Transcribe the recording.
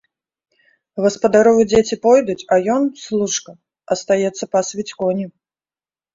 Гаспадаровы дзеці пойдуць, а ён, служка, астаецца пасвіць коні.